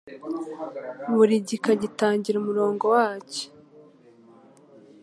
Buri gika gitangira umurongo wacyo